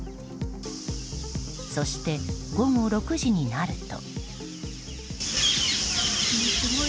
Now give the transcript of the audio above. そして午後６時になると。